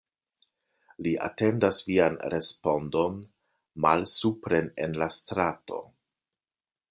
Li atendas vian respondon malsupren en la strato.